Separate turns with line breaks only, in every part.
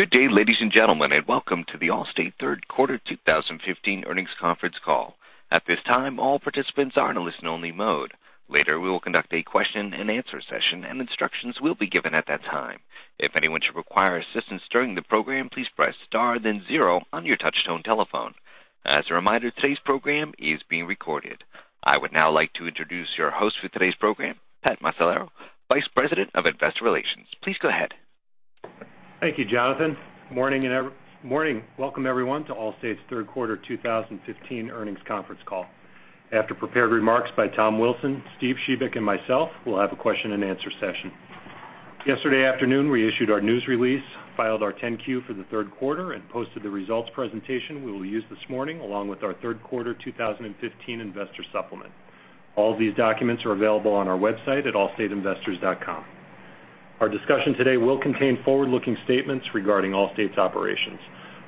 Good day, ladies and gentlemen, and welcome to the Allstate third quarter 2015 earnings conference call. At this time, all participants are in a listen-only mode. Later, we will conduct a question-and-answer session, and instructions will be given at that time. If anyone should require assistance during the program, please press star then zero on your touchtone telephone. As a reminder, today's program is being recorded. I would now like to introduce your host for today's program, Pat Macellaro, Vice President of Investor Relations. Please go ahead.
Thank you, Jonathan. Morning. Welcome, everyone, to Allstate's third quarter 2015 earnings conference call. After prepared remarks by Thomas Wilson, Steven Shebik, and myself, we'll have a question-and-answer session. Yesterday afternoon, we issued our news release, filed our 10-Q for the third quarter, and posted the results presentation we will use this morning, along with our third quarter 2015 investor supplement. All of these documents are available on our website at allstateinvestors.com. Our discussion today will contain forward-looking statements regarding Allstate's operations.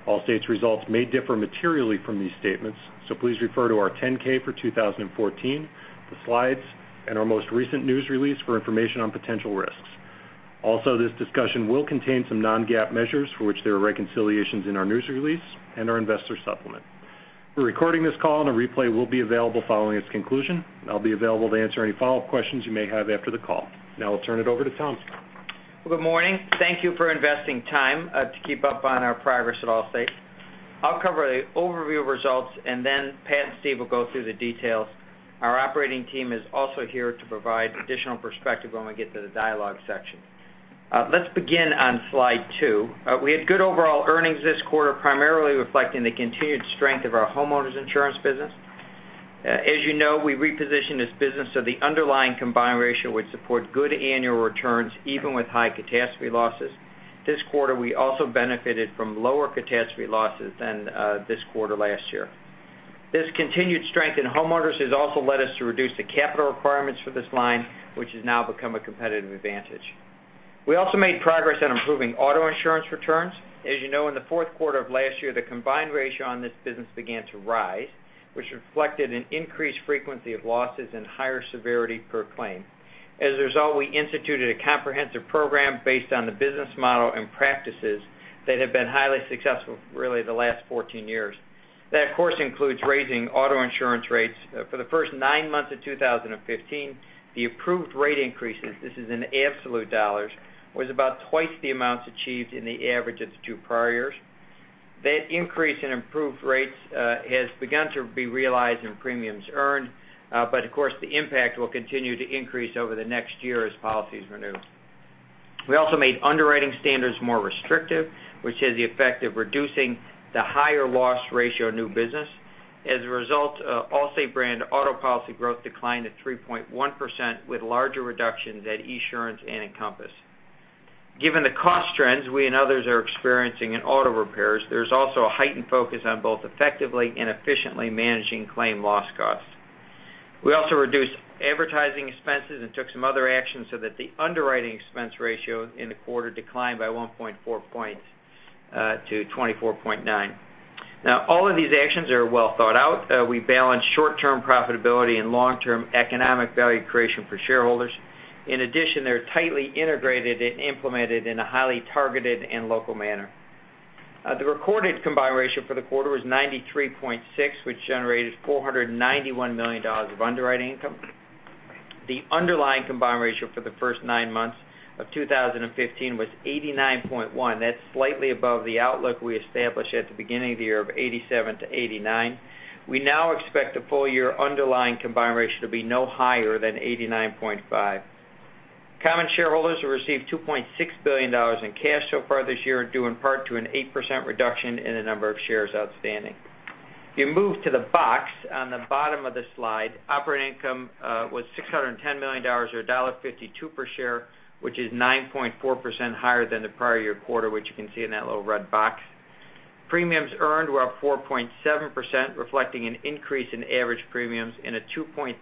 Allstate's results may differ materially from these statements. Please refer to our 10-K for 2014, the slides, and our most recent news release for information on potential risks. This discussion will contain some non-GAAP measures for which there are reconciliations in our news release and our investor supplement. We're recording this call. A replay will be available following its conclusion. I'll be available to answer any follow-up questions you may have after the call. Now I'll turn it over to Tom.
Well, good morning. Thank you for investing time to keep up on our progress at Allstate. I'll cover an overview of results. Then Pat and Steve will go through the details. Our operating team is also here to provide additional perspective when we get to the dialogue section. Let's begin on slide two. We had good overall earnings this quarter, primarily reflecting the continued strength of our homeowners insurance business. As you know, we repositioned this business so the underlying combined ratio would support good annual returns even with high catastrophe losses. This quarter, we also benefited from lower catastrophe losses than this quarter last year. This continued strength in homeowners has also led us to reduce the capital requirements for this line, which has now become a competitive advantage. We also made progress on improving auto insurance returns. As you know, in the fourth quarter of last year, the combined ratio on this business began to rise, which reflected an increased frequency of losses and higher severity per claim. As a result, we instituted a comprehensive program based on the business model and practices that have been highly successful really the last 14 years. That, of course, includes raising auto insurance rates. For the first nine months of 2015, the approved rate increases, this is in absolute dollars, was about twice the amounts achieved in the average of the two prior years. That increase in approved rates has begun to be realized in premiums earned, but of course, the impact will continue to increase over the next year as policies renew. We also made underwriting standards more restrictive, which has the effect of reducing the higher loss ratio of new business. As a result, Allstate brand auto policy growth declined to 3.1%, with larger reductions at Esurance and Encompass. Given the cost trends we and others are experiencing in auto repairs, there is also a heightened focus on both effectively and efficiently managing claim loss costs. We also reduced advertising expenses and took some other actions so that the underwriting expense ratio in the quarter declined by 1.4 points to 24.9. All of these actions are well thought out. We balance short-term profitability and long-term economic value creation for shareholders. In addition, they are tightly integrated and implemented in a highly targeted and local manner. The recorded combined ratio for the quarter was 93.6, which generated $491 million of underwriting income. The underlying combined ratio for the first nine months of 2015 was 89.1. That is slightly above the outlook we established at the beginning of the year of 87 to 89. We now expect the full-year underlying combined ratio to be no higher than 89.5. Common shareholders have received $2.6 billion in cash so far this year, due in part to an 8% reduction in the number of shares outstanding. If you move to the box on the bottom of the slide, operating income was $610 million, or $1.52 per share, which is 9.4% higher than the prior year quarter, which you can see in that little red box. Premiums earned were up 4.7%, reflecting an increase in average premiums and a 2.3%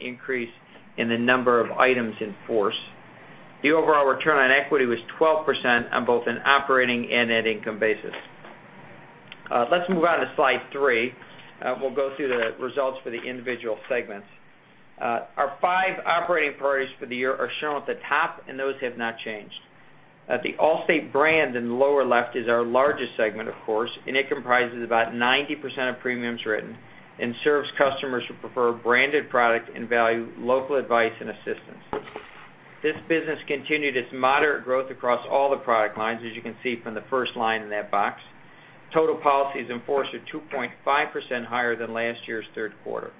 increase in the number of items in force. The overall return on equity was 12% on both an operating and net income basis. Let us move on to slide three. We will go through the results for the individual segments. Our five operating priorities for the year are shown at the top, and those have not changed. The Allstate brand in the lower left is our largest segment, of course, and it comprises about 90% of premiums written and serves customers who prefer a branded product and value local advice and assistance. This business continued its moderate growth across all the product lines, as you can see from the first line in that box. Total policies in force are 2.5% higher than last year's third quarter.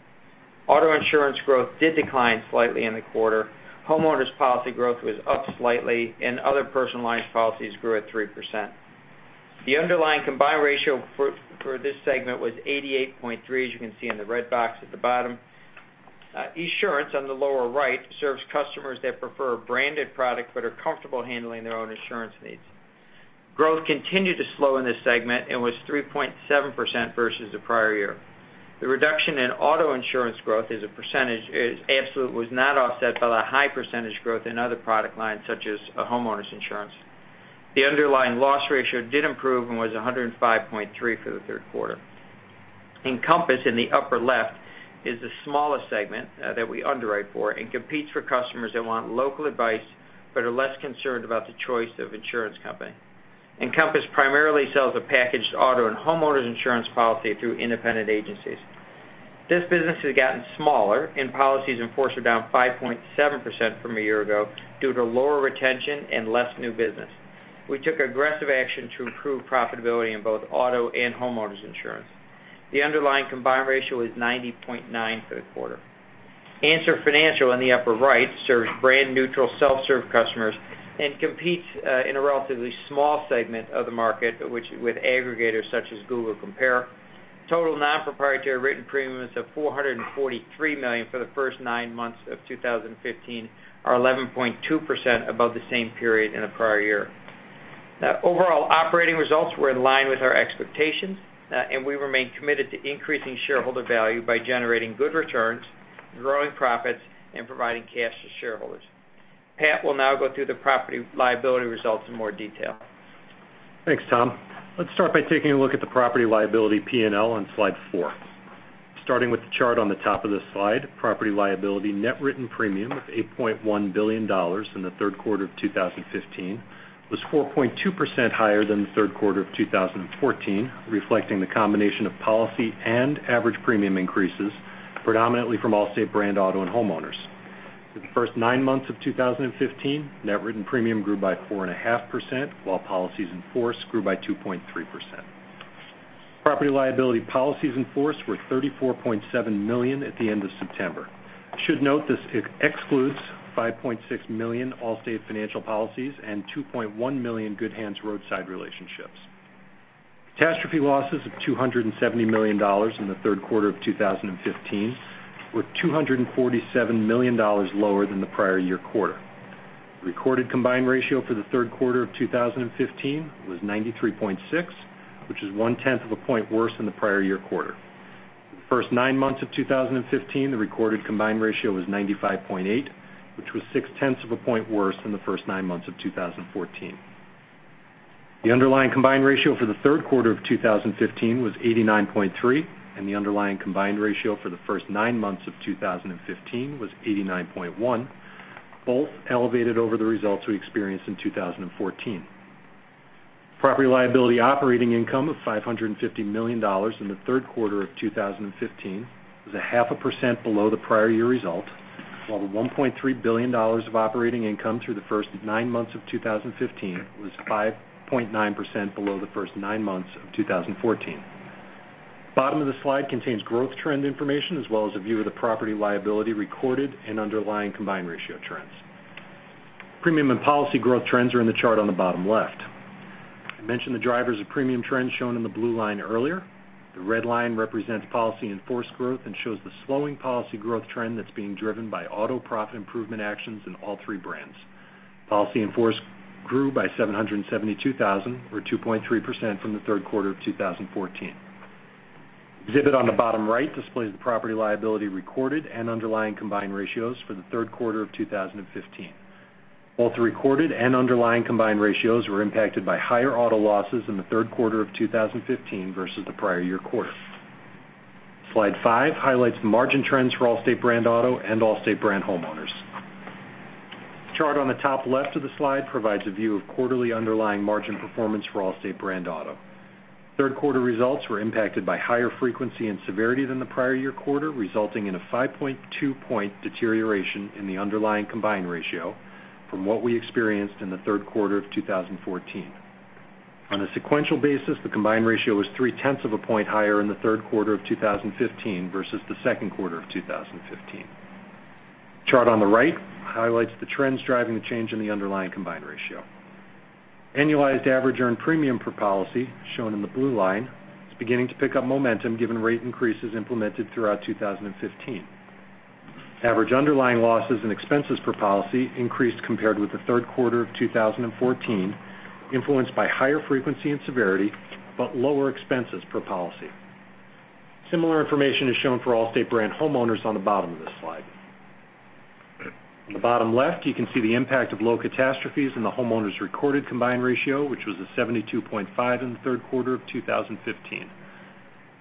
Auto insurance growth did decline slightly in the quarter. Homeowners policy growth was up slightly, and other personal lines policies grew at 3%. The underlying combined ratio for this segment was 88.3, as you can see in the red box at the bottom. Esurance, on the lower right, serves customers that prefer a branded product but are comfortable handling their own insurance needs. Growth continued to slow in this segment and was 3.7% versus the prior year. The reduction in auto insurance growth as a percentage absolutely was not offset by the high percentage growth in other product lines, such as homeowners insurance. The underlying loss ratio did improve and was 105.3 for the third quarter. Encompass in the upper left is the smallest segment that we underwrite for and competes for customers that want local advice but are less concerned about the choice of insurance company. Encompass primarily sells a packaged auto and homeowners insurance policy through independent agencies. This business has gotten smaller, and policies in force are down 5.7% from a year ago due to lower retention and less new business. We took aggressive action to improve profitability in both auto and homeowners insurance. The underlying combined ratio is 90.9 for the quarter. Answer Financial in the upper right serves brand-neutral self-serve customers and competes in a relatively small segment of the market with aggregators such as Google Compare. Total non-proprietary written premiums of $443 million for the first nine months of 2015 are 11.2% above the same period in the prior year. Overall operating results were in line with our expectations, we remain committed to increasing shareholder value by generating good returns, growing profits, and providing cash to shareholders. Pat will now go through the property liability results in more detail.
Thanks, Tom. Let's start by taking a look at the property liability P&L on slide four. Starting with the chart on the top of this slide, property liability net written premium of $8.1 billion in the third quarter of 2015 was 4.2% higher than the third quarter of 2014, reflecting the combination of policy and average premium increases predominantly from Allstate brand auto and homeowners. For the first nine months of 2015, net written premium grew by 4.5%, while policies in force grew by 2.3%. Property liability policies in force were 34.7 million at the end of September. Note this excludes 5.6 million Allstate Financial policies and 2.1 million Good Hands Rescue relationships. Catastrophe losses of $270 million in the third quarter of 2015 were $247 million lower than the prior year quarter. Recorded combined ratio for the third quarter of 2015 was 93.6, which is one tenth of a point worse than the prior year quarter. For the first nine months of 2015, the recorded combined ratio was 95.8, which was six tenths of a point worse than the first nine months of 2014. The underlying combined ratio for the third quarter of 2015 was 89.3, the underlying combined ratio for the first nine months of 2015 was 89.1, both elevated over the results we experienced in 2014. Property liability operating income of $550 million in the third quarter of 2015 was a half a percent below the prior year result, while the $1.3 billion of operating income through the first nine months of 2015 was 5.9% below the first nine months of 2014. Bottom of the slide contains growth trend information as well as a view of the property liability recorded and underlying combined ratio trends. Premium and policy growth trends are in the chart on the bottom left. I mentioned the drivers of premium trends shown in the blue line earlier. The red line represents policy in force growth and shows the slowing policy growth trend that's being driven by auto profit improvement actions in all three brands. Policy in force grew by 772,000 or 2.3% from the third quarter of 2014. Exhibit on the bottom right displays the property liability recorded and underlying combined ratios for the third quarter of 2015. Both the recorded and underlying combined ratios were impacted by higher auto losses in the third quarter of 2015 versus the prior year quarter. Slide five highlights the margin trends for Allstate brand auto and Allstate brand homeowners. The chart on the top left of the slide provides a view of quarterly underlying margin performance for Allstate brand auto. Third quarter results were impacted by higher frequency and severity than the prior year quarter, resulting in a 5.2 point deterioration in the underlying combined ratio from what we experienced in the third quarter of 2014. On a sequential basis, the combined ratio was three tenths of a point higher in the third quarter of 2015 versus the second quarter of 2015. Chart on the right highlights the trends driving the change in the underlying combined ratio. Annualized average earned premium per policy, shown in the blue line, is beginning to pick up momentum given rate increases implemented throughout 2015. Average underlying losses and expenses per policy increased compared with the third quarter of 2014, influenced by higher frequency and severity, but lower expenses per policy. Similar information is shown for Allstate brand homeowners on the bottom of this slide. On the bottom left, you can see the impact of low catastrophes in the homeowners combined ratio, which was a 72.5 in the third quarter of 2015.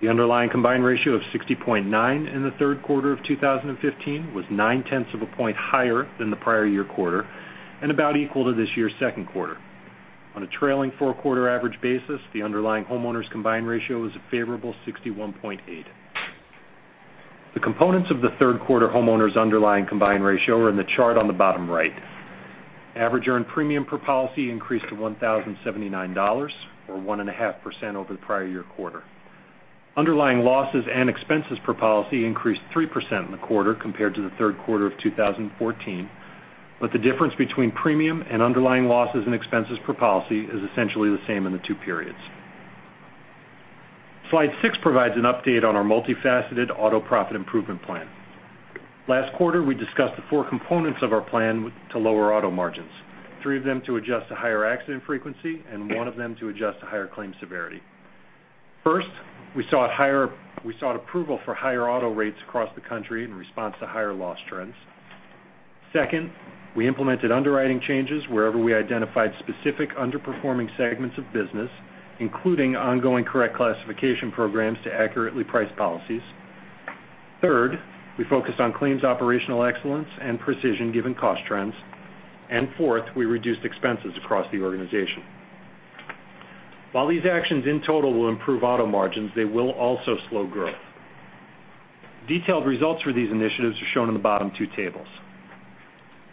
The underlying combined ratio of 60.9 in the third quarter of 2015 was nine tenths of a point higher than the prior year quarter and about equal to this year's second quarter. On a trailing four-quarter average basis, the underlying homeowners combined ratio is a favorable 61.8. The components of the third quarter homeowners' underlying combined ratio are in the chart on the bottom right. Average earned premium per policy increased to $1,079, or 1.5% over the prior year quarter. Underlying losses and expenses per policy increased 3% in the quarter compared to the third quarter of 2014, but the difference between premium and underlying losses and expenses per policy is essentially the same in the two periods. Slide six provides an update on our multifaceted auto profit improvement plan. Last quarter, we discussed the four components of our plan to lower auto margins, three of them to adjust to higher accident frequency and one of them to adjust to higher claim severity. First, we sought approval for higher auto rates across the country in response to higher loss trends. Second, we implemented underwriting changes wherever we identified specific underperforming segments of business, including ongoing correct classification programs to accurately price policies. Third, we focused on claims operational excellence and precision given cost trends. Fourth, we reduced expenses across the organization. While these actions in total will improve auto margins, they will also slow growth. Detailed results for these initiatives are shown in the bottom two tables.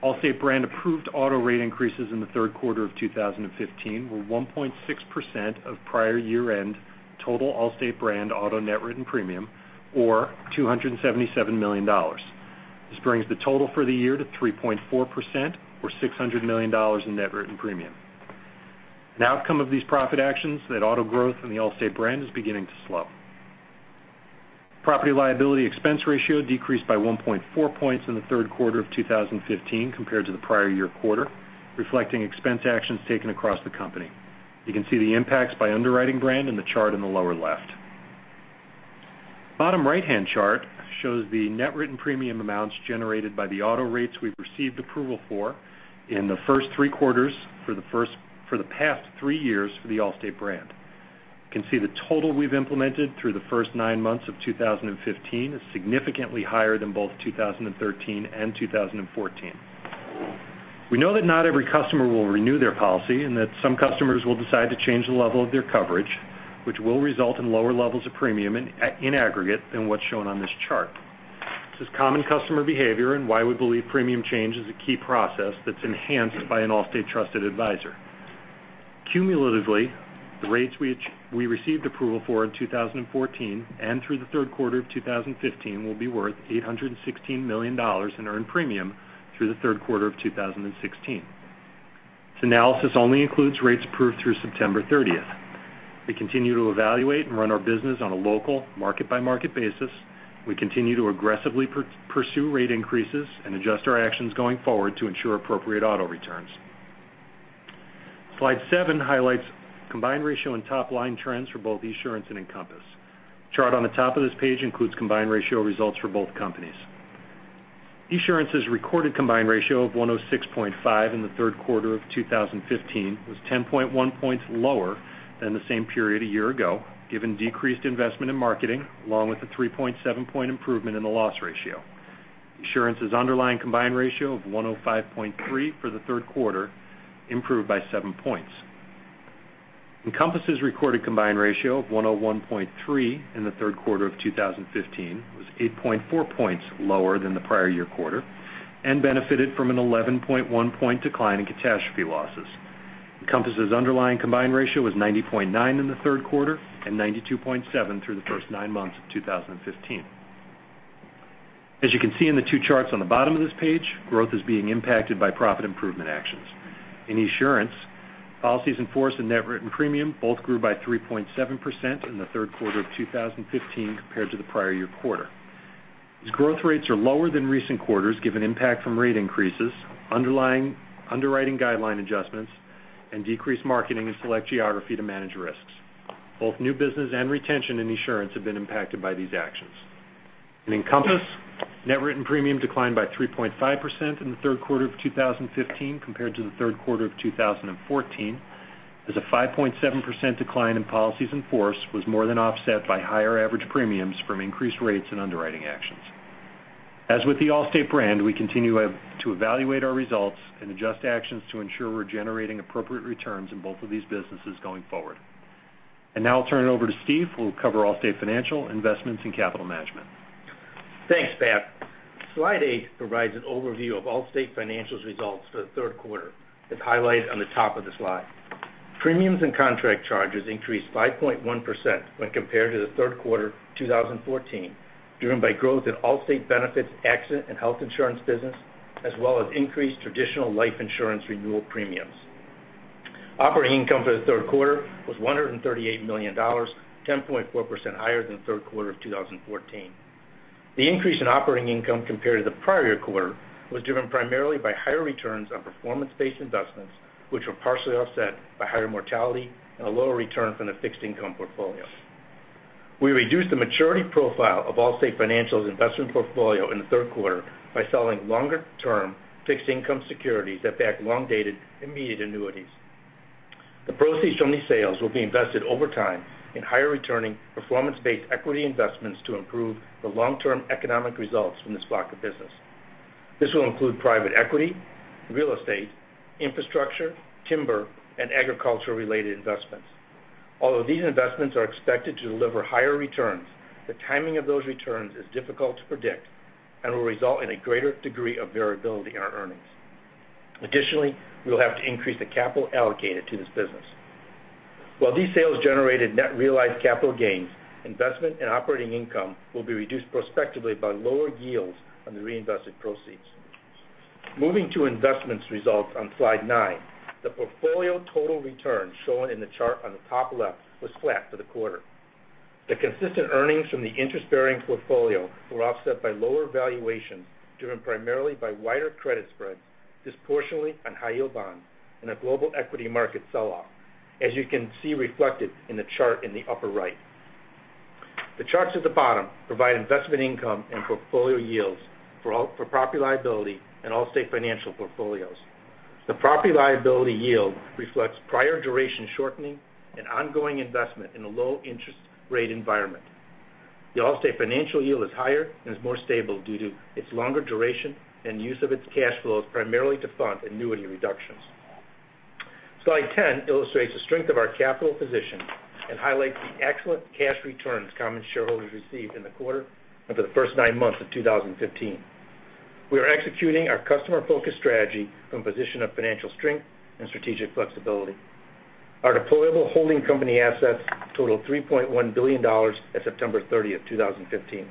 Allstate brand approved auto rate increases in the third quarter of 2015 were 1.6% of prior year-end total Allstate brand auto net written premium or $277 million. This brings the total for the year to 3.4% or $600 million in net written premium. An outcome of these profit actions that auto growth in the Allstate brand is beginning to slow. Property liability expense ratio decreased by 1.4 points in the third quarter of 2015 compared to the prior year quarter, reflecting expense actions taken across the company. You can see the impacts by underwriting brand in the chart in the lower left. Bottom right-hand chart shows the net written premium amounts generated by the auto rates we've received approval for in the first three quarters for the past three years for the Allstate brand. You can see the total we've implemented through the first nine months of 2015 is significantly higher than both 2013 and 2014. We know that not every customer will renew their policy, and that some customers will decide to change the level of their coverage, which will result in lower levels of premium in aggregate than what's shown on this chart. This is common customer behavior and why we believe premium change is a key process that's enhanced by an Allstate trusted advisor. Cumulatively, the rates which we received approval for in 2014 and through the third quarter of 2015 will be worth $816 million in earned premium through the third quarter of 2016. This analysis only includes rates approved through September 30th. We continue to evaluate and run our business on a local market by market basis. We continue to aggressively pursue rate increases and adjust our actions going forward to ensure appropriate auto returns. Slide seven highlights combined ratio and top-line trends for both Esurance and Encompass. Chart on the top of this page includes combined ratio results for both companies. Esurance's recorded combined ratio of 106.5 in the third quarter of 2015 was 10.1 points lower than the same period a year ago, given decreased investment in marketing, along with a 3.7 point improvement in the loss ratio. Esurance's underlying combined ratio of 105.3 for the third quarter improved by seven points. Encompass' recorded combined ratio of 101.3 in the third quarter of 2015 was 8.4 points lower than the prior year quarter, and benefited from an 11.1 point decline in catastrophe losses. Encompass' underlying combined ratio was 90.9 in the third quarter and 92.7 through the first nine months of 2015. As you can see in the two charts on the bottom of this page, growth is being impacted by profit improvement actions. In Esurance, policies in force and net written premium both grew by 3.7% in the third quarter of 2015 compared to the prior year quarter. These growth rates are lower than recent quarters, given impact from rate increases, underwriting guideline adjustments, and decreased marketing in select geography to manage risks. Both new business and retention in Esurance have been impacted by these actions. In Encompass, net written premium declined by 3.5% in the third quarter of 2015 compared to the third quarter of 2014, as a 5.7% decline in policies in force was more than offset by higher average premiums from increased rates and underwriting actions. As with the Allstate brand, we continue to evaluate our results and adjust actions to ensure we're generating appropriate returns in both of these businesses going forward. Now I'll turn it over to Steve, who will cover Allstate Financial investments in capital management.
Thanks, Pat. Slide eight provides an overview of Allstate Financial's results for the third quarter, as highlighted on the top of the slide. Premiums and contract charges increased 5.1% when compared to the third quarter 2014, driven by growth in Allstate Benefits accident and health insurance business, as well as increased traditional life insurance renewal premiums. Operating income for the third quarter was $138 million, 10.4% higher than third quarter of 2014. The increase in operating income compared to the prior quarter was driven primarily by higher returns on performance-based investments, which were partially offset by higher mortality and a lower return from the fixed income portfolio. We reduced the maturity profile of Allstate Financial's investment portfolio in the third quarter by selling longer term fixed income securities that back long-dated immediate annuities. The proceeds from these sales will be invested over time in higher returning performance-based equity investments to improve the long-term economic results from this block of business. This will include private equity, real estate, infrastructure, timber, and agriculture related investments. Although these investments are expected to deliver higher returns, the timing of those returns is difficult to predict and will result in a greater degree of variability in our earnings. Additionally, we will have to increase the capital allocated to this business. While these sales generated net realized capital gains, investment and operating income will be reduced prospectively by lower yields on the reinvested proceeds. Moving to investments results on slide nine. The portfolio total return shown in the chart on the top left was flat for the quarter. The consistent earnings from the interest-bearing portfolio were offset by lower valuations driven primarily by wider credit spreads, disproportionately on high-yield bonds and a global equity market sell-off, as you can see reflected in the chart in the upper right. The charts at the bottom provide investment income and portfolio yields for property liability and Allstate Financial portfolios. The property liability yield reflects prior duration shortening and ongoing investment in a low interest rate environment. The Allstate Financial yield is higher and is more stable due to its longer duration and use of its cash flows, primarily to fund annuity reductions. Slide 10 illustrates the strength of our capital position and highlights the excellent cash returns common shareholders received in the quarter and for the first nine months of 2015. We are executing our customer-focused strategy from a position of financial strength and strategic flexibility. Our deployable holding company assets total $3.1 billion at September 30th, 2015.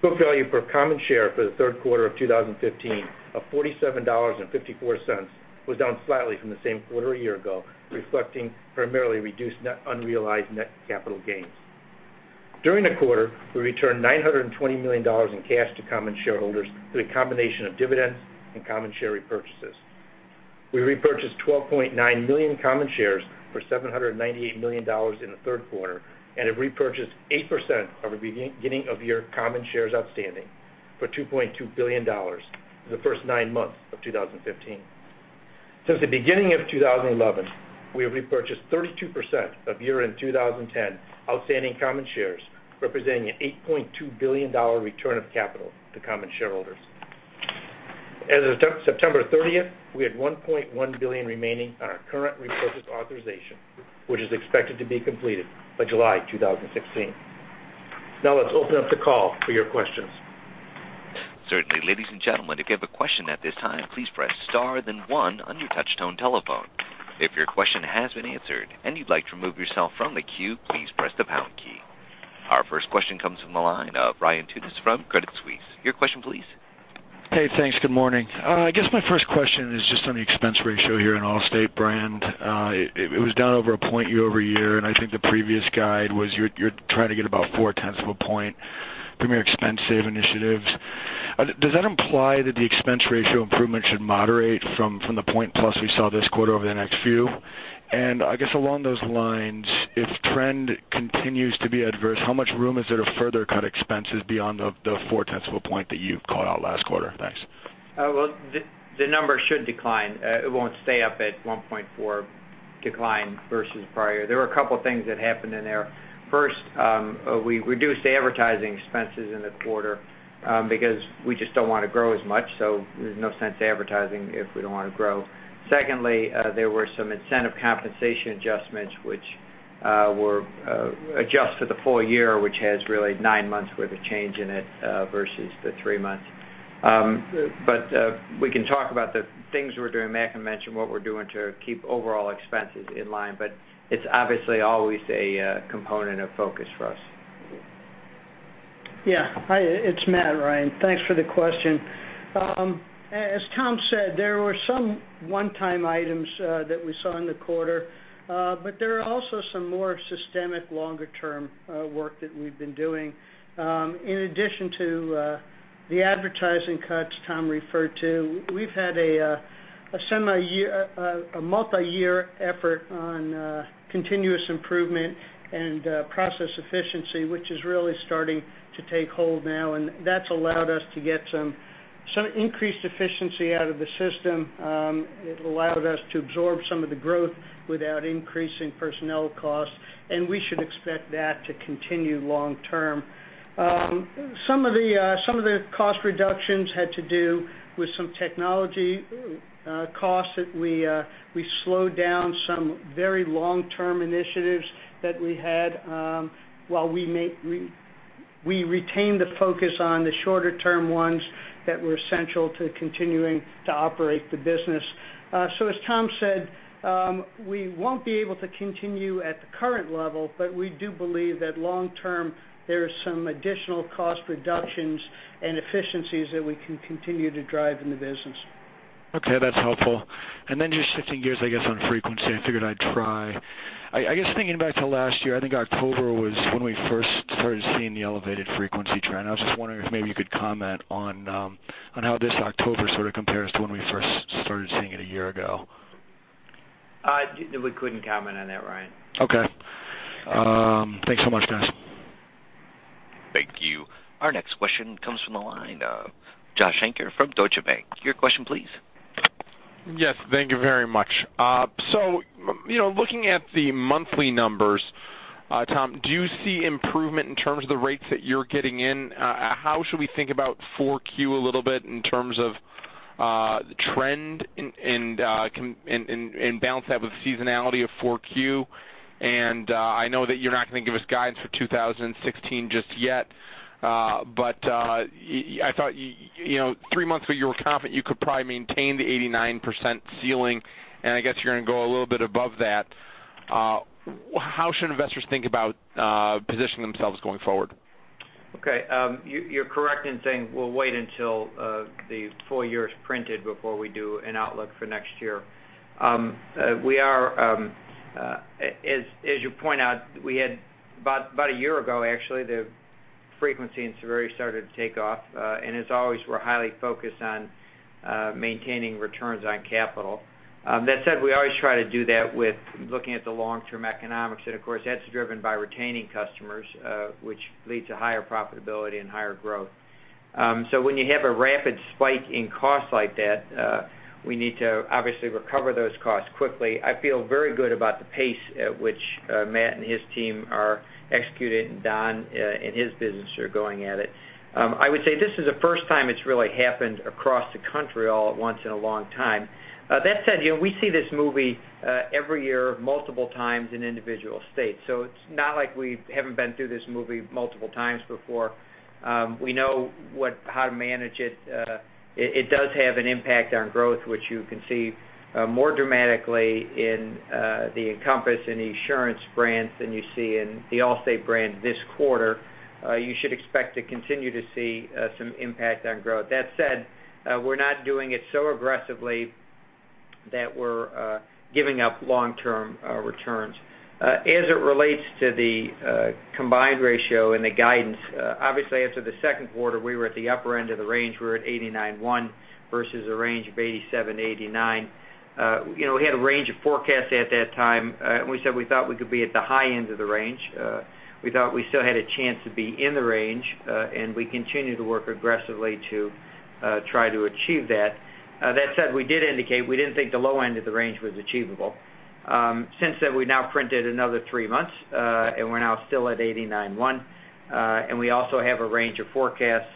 Book value per common share for the third quarter of 2015 of $47.54 was down slightly from the same quarter a year ago, reflecting primarily reduced net unrealized net capital gains. During the quarter, we returned $920 million in cash to common shareholders through the combination of dividends and common share repurchases. We repurchased 12.9 million common shares for $798 million in the third quarter, and have repurchased 8% of our beginning of year common shares outstanding for $2.2 billion in the first nine months of 2015. Since the beginning of 2011, we have repurchased 32% of year-end 2010 outstanding common shares, representing an $8.2 billion return of capital to common shareholders. As of September 30th, we had $1.1 billion remaining on our current repurchase authorization, which is expected to be completed by July 2016. Let's open up the call for your questions.
Certainly. Ladies and gentlemen, to give a question at this time, please press star then one on your touch tone telephone. If your question has been answered and you'd like to remove yourself from the queue, please press the pound key. Our first question comes from the line of Ryan Tunis from Credit Suisse. Your question please.
Hey, thanks. Good morning. I guess my first question is just on the expense ratio here in Allstate brand. It was down over a point year-over-year. I think the previous guide was you're trying to get about four tenths of a point from your expense save initiatives. Does that imply that the expense ratio improvement should moderate from the point plus we saw this quarter over the next few? I guess along those lines, if trend continues to be adverse, how much room is there to further cut expenses beyond the four tenths of a point that you've called out last quarter? Thanks.
The number should decline. It won't stay up at 1.4 decline versus prior. There were a couple of things that happened in there. First, we reduced the advertising expenses in the quarter because we just don't want to grow as much, there's no sense advertising if we don't want to grow. Secondly, there were some incentive compensation adjustments, which were adjusted the full year, which has really nine months worth of change in it versus the three months. We can talk about the things we're doing. Matt can mention what we're doing to keep overall expenses in line. It's obviously always a component of focus for us.
Yeah. Hi, it's Matt, Ryan. Thanks for the question. As Tom said, there were some one-time items that we saw in the quarter. There are also some more systemic, longer-term work that we've been doing. In addition to the advertising cuts Tom referred to, we've had a multi-year effort on continuous improvement and process efficiency, which is really starting to take hold now, that's allowed us to get some increased efficiency out of the system. It allowed us to absorb some of the growth without increasing personnel costs, we should expect that to continue long term. Some of the cost reductions had to do with some technology costs that we slowed down some very long-term initiatives that we had, while we retained the focus on the shorter-term ones that were essential to continuing to operate the business. As Tom said, we won't be able to continue at the current level, we do believe that long term, there are some additional cost reductions and efficiencies that we can continue to drive in the business.
Okay, that's helpful. Then just shifting gears, I guess, on frequency, I figured I'd try. I guess thinking back to last year, I think October was when we first started seeing the elevated frequency trend. I was just wondering if maybe you could comment on how this October sort of compares to when we first started seeing it a year ago.
We couldn't comment on that, Ryan.
Okay. Thanks so much, guys.
Thank you. Our next question comes from the line of Joshua Shanker from Deutsche Bank. Your question please.
Yes, thank you very much. Looking at the monthly numbers, Tom, do you see improvement in terms of the rates that you're getting in? How should we think about 4Q a little bit in terms of trend and balance that with seasonality of 4Q? I know that you're not going to give us guidance for 2016 just yet. I thought, three months ago, you were confident you could probably maintain the 89% ceiling, and I guess you're going to go a little bit above that. How should investors think about positioning themselves going forward?
Okay. You're correct in saying we'll wait until the full year is printed before we do an outlook for next year. As you point out, we had about a year ago, actually, the Frequency and severity started to take off. As always, we're highly focused on maintaining returns on capital. That said, we always try to do that with looking at the long-term economics, and of course, that's driven by retaining customers, which leads to higher profitability and higher growth. When you have a rapid spike in costs like that, we need to obviously recover those costs quickly. I feel very good about the pace at which Matt and his team are executing, and Don and his business are going at it. I would say this is the first time it's really happened across the country all at once in a long time. That said, we see this movie every year, multiple times in individual states. It's not like we haven't been through this movie multiple times before. We know how to manage it. It does have an impact on growth, which you can see more dramatically in the Encompass and the Esurance brands than you see in the Allstate brand this quarter. You should expect to continue to see some impact on growth. That said, we're not doing it so aggressively that we're giving up long-term returns. As it relates to the combined ratio and the guidance, obviously after the second quarter, we were at the upper end of the range. We were at 89.1 versus a range of 87-89. We had a range of forecasts at that time, and we said we thought we could be at the high end of the range. We thought we still had a chance to be in the range, and we continue to work aggressively to try to achieve that. That said, we did indicate we didn't think the low end of the range was achievable. Since then, we've now printed another three months, and we're now still at 89.1. We also have a range of forecasts.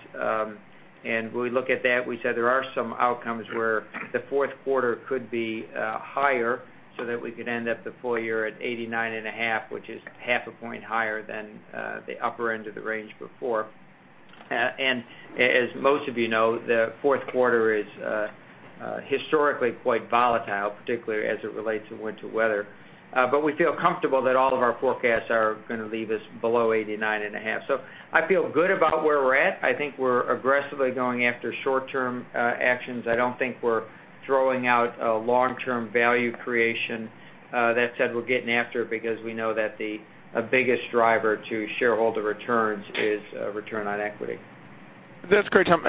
When we look at that, we said there are some outcomes where the fourth quarter could be higher so that we could end up the full year at 89 and a half, which is half a point higher than the upper end of the range before. As most of you know, the fourth quarter is historically quite volatile, particularly as it relates to winter weather. We feel comfortable that all of our forecasts are going to leave us below 89 and a half. I feel good about where we're at. I think we're aggressively going after short-term actions. I don't think we're throwing out long-term value creation. That said, we're getting after it because we know that the biggest driver to shareholder returns is return on equity.
That's great, Tom.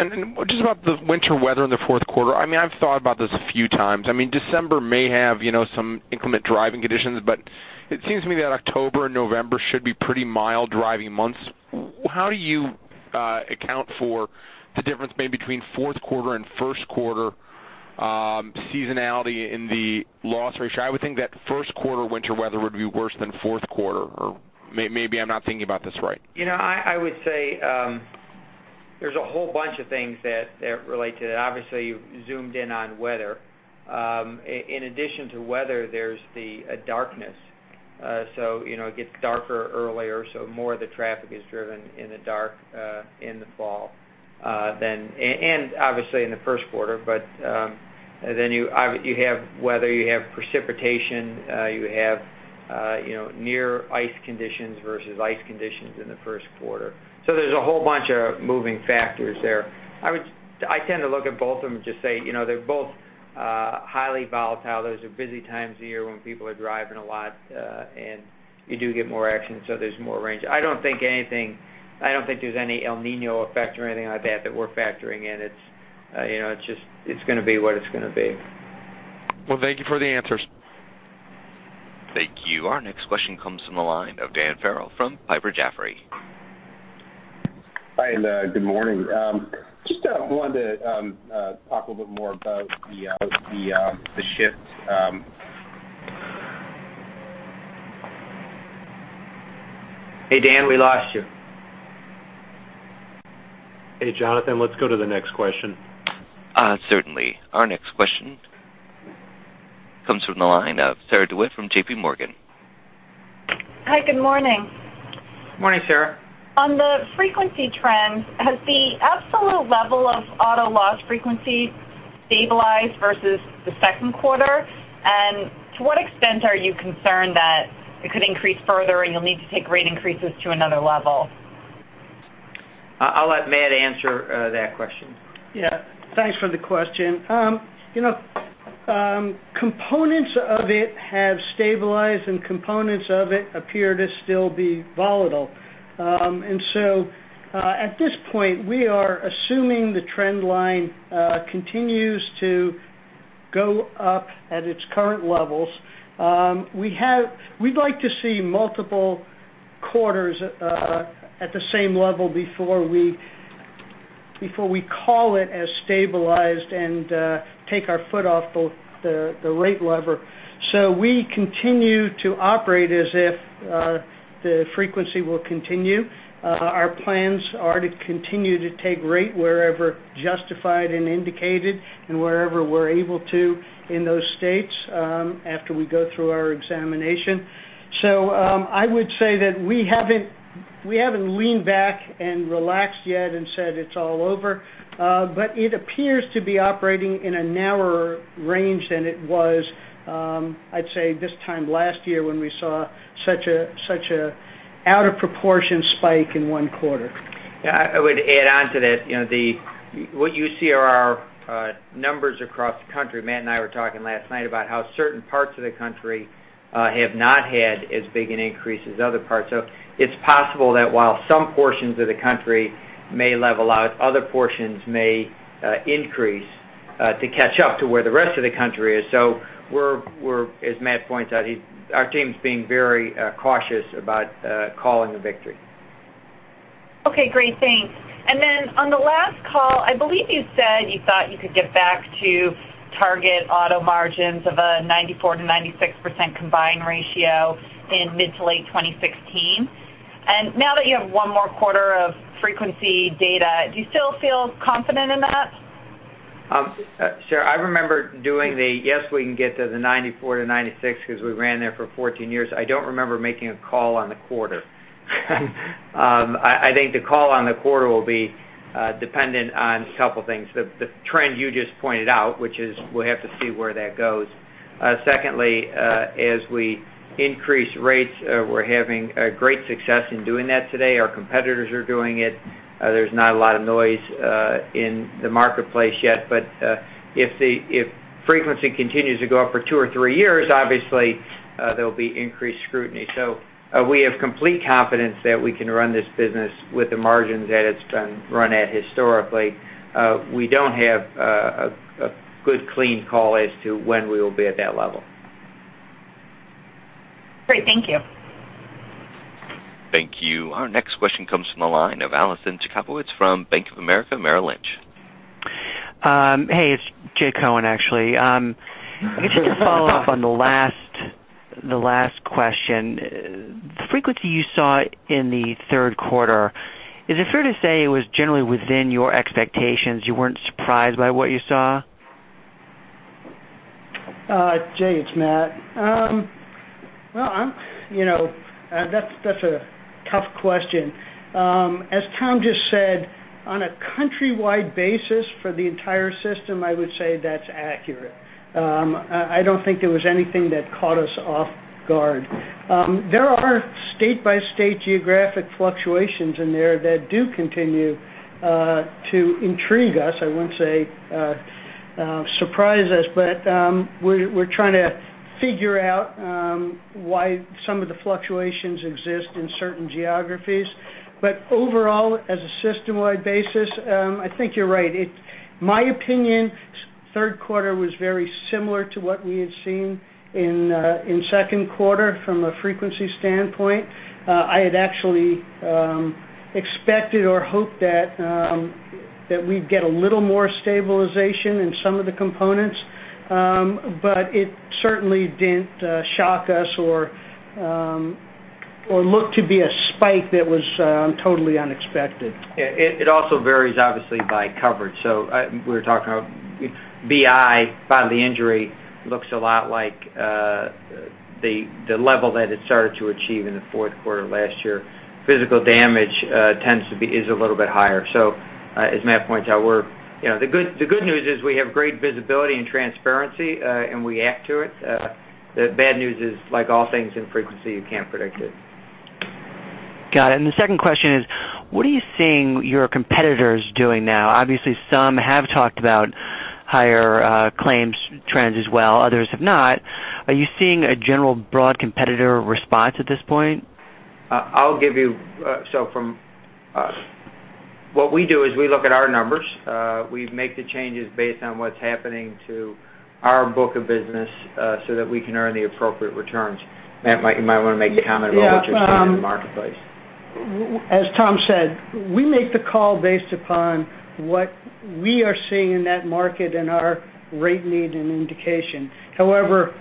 Just about the winter weather in the fourth quarter, I've thought about this a few times. December may have some inclement driving conditions, but it seems to me that October and November should be pretty mild driving months. How do you account for the difference maybe between fourth quarter and first quarter seasonality in the loss ratio? I would think that first quarter winter weather would be worse than fourth quarter, or maybe I'm not thinking about this right.
I would say there's a whole bunch of things that relate to that. Obviously, you've zoomed in on weather. In addition to weather, there's the darkness. It gets darker earlier, so more of the traffic is driven in the dark in the fall, and obviously in the first quarter. You have weather, you have precipitation, you have near ice conditions versus ice conditions in the first quarter. There's a whole bunch of moving factors there. I tend to look at both of them and just say they're both highly volatile. Those are busy times of year when people are driving a lot, and you do get more action, so there's more range. I don't think there's any El Niño effect or anything like that that we're factoring in. It's going to be what it's going to be.
Well, thank you for the answers.
Thank you. Our next question comes from the line of Dan Farrell from Piper Jaffray.
Hi, and good morning. Just wanted to talk a little bit more about the shift-
Hey, Dan, we lost you.
Hey, Jonathan, let's go to the next question.
Certainly. Our next question comes from the line of Sarah DeWitt from J.P. Morgan.
Hi, good morning.
Morning, Sarah.
On the frequency trends, has the absolute level of auto loss frequency stabilized versus the second quarter? To what extent are you concerned that it could increase further, and you'll need to take rate increases to another level?
I'll let Matt answer that question.
Yeah. Thanks for the question. Components of it have stabilized, components of it appear to still be volatile. At this point, we are assuming the trend line continues to go up at its current levels. We'd like to see multiple quarters at the same level before we call it as stabilized and take our foot off the rate lever. We continue to operate as if the frequency will continue. Our plans are to continue to take rate wherever justified and indicated and wherever we're able to in those states after we go through our examination. I would say that we haven't leaned back and relaxed yet and said it's all over. It appears to be operating in a narrower range than it was, I'd say, this time last year when we saw such an out of proportion spike in one quarter.
I would add on to that. What you see are our numbers across the country. Matt and I were talking last night about how certain parts of the country have not had as big an increase as other parts. It's possible that while some portions of the country may level out, other portions may increase to catch up to where the rest of the country is. We're, as Matt points out, our team's being very cautious about calling a victory.
Okay, great. Thanks. On the last call, I believe you said you thought you could get back to target auto margins of a 94%-96% combined ratio in mid-to-late 2016. Now that you have one more quarter of frequency data, do you still feel confident in that?
Sure. I remember doing, yes, we can get to the 94-96 because we ran there for 14 years. I don't remember making a call on the quarter. I think the call on the quarter will be dependent on a couple things. The trend you just pointed out, which is we'll have to see where that goes. Secondly, as we increase rates, we're having great success in doing that today. Our competitors are doing it. There's not a lot of noise in the marketplace yet. If frequency continues to go up for two or three years, obviously, there'll be increased scrutiny. We have complete confidence that we can run this business with the margins that it's been run at historically. We don't have a good, clean call as to when we will be at that level.
Great. Thank you.
Thank you. Our next question comes from the line of Alison Williams from Bank of America Merrill Lynch.
Hey, it's Jay Cohen, actually. Just to follow up on the last question, the frequency you saw in the third quarter, is it fair to say it was generally within your expectations? You weren't surprised by what you saw?
Jay, it's Matt. That's a tough question. As Tom just said, on a countrywide basis for the entire system, I would say that's accurate. I don't think there was anything that caught us off guard. There are state-by-state geographic fluctuations in there that do continue to intrigue us, I won't say surprise us. We're trying to figure out why some of the fluctuations exist in certain geographies. Overall, as a system-wide basis, I think you're right. My opinion, third quarter was very similar to what we had seen in second quarter from a frequency standpoint. I had actually expected or hoped that we'd get a little more stabilization in some of the components. It certainly didn't shock us or look to be a spike that was totally unexpected.
It also varies, obviously, by coverage. We were talking about BI, body injury, looks a lot like the level that it started to achieve in the fourth quarter last year. Physical damage is a little bit higher. As Matt points out, the good news is we have great visibility and transparency, and we act to it. The bad news is, like all things in frequency, you can't predict it.
Got it. The second question is, what are you seeing your competitors doing now? Obviously, some have talked about higher claims trends as well, others have not. Are you seeing a general broad competitor response at this point?
What we do is we look at our numbers. We make the changes based on what's happening to our book of business so that we can earn the appropriate returns. Matt, you might want to make a comment about what you're seeing in the marketplace.
As Tom said, we make the call based upon what we are seeing in that market and our rate need and indication. However,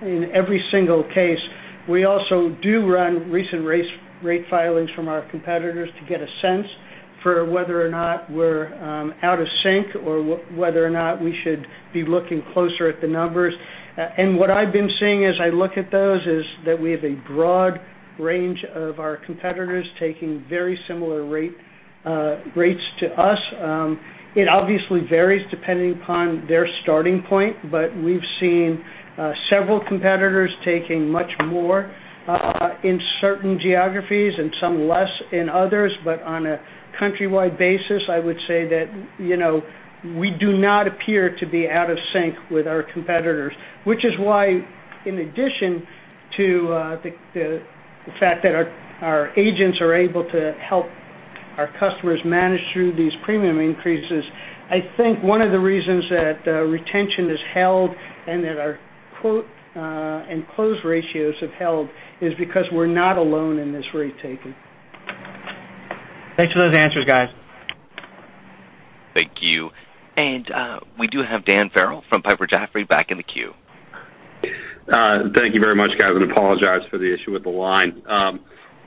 in every single case, we also do run recent rate filings from our competitors to get a sense for whether or not we're out of sync or whether or not we should be looking closer at the numbers. What I've been seeing as I look at those is that we have a broad range of our competitors taking very similar rates to us. It obviously varies depending upon their starting point, but we've seen several competitors taking much more in certain geographies and some less in others. On a countrywide basis, I would say that we do not appear to be out of sync with our competitors, which is why, in addition to the fact that our agents are able to help our customers manage through these premium increases, I think one of the reasons that retention is held and that our quote and close ratios have held is because we're not alone in this rate taking.
Thanks for those answers, guys.
Thank you. We do have Dan Farrell from Piper Jaffray back in the queue.
Thank you very much, guys, and apologize for the issue with the line.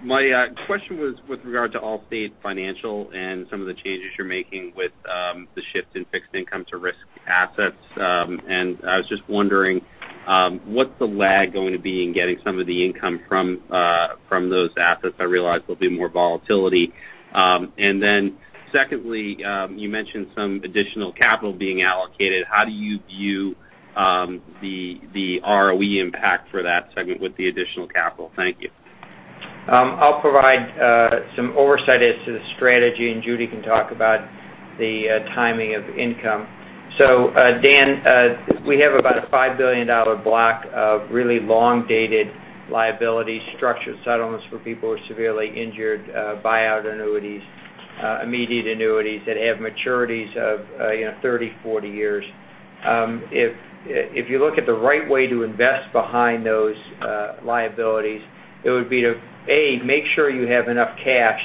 My question was with regard to Allstate Financial and some of the changes you're making with the shift in fixed income to risk assets. I was just wondering, what's the lag going to be in getting some of the income from those assets? I realize there'll be more volatility. Secondly, you mentioned some additional capital being allocated. How do you view the ROE impact for that segment with the additional capital? Thank you.
I'll provide some oversight as to the strategy, and Judy can talk about the timing of income. Dan, we have about a $5 billion block of really long-dated liability structured settlements where people are severely injured, buyout annuities immediate annuities that have maturities of 30, 40 years. If you look at the right way to invest behind those liabilities, it would be to, A, make sure you have enough cash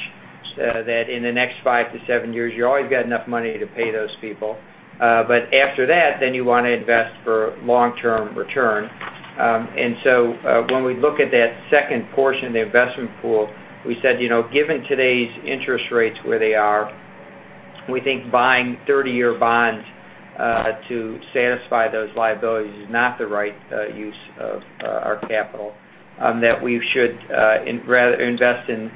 that in the next five to seven years, you always got enough money to pay those people. After that, then you want to invest for long-term return. When we look at that second portion of the investment pool, we said, given today's interest rates where they are, we think buying 30-year bonds, to satisfy those liabilities is not the right use of our capital, that we should invest in